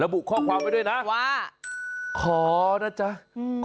บุข้อความไว้ด้วยนะว่าขอนะจ๊ะอืม